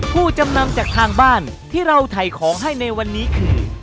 ผู้จำนำจากทางบ้านที่เราถ่ายของให้ในวันนี้คือ